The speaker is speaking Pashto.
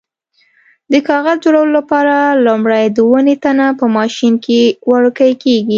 د کاغذ جوړولو لپاره لومړی د ونې تنه په ماشین کې وړوکی کېږي.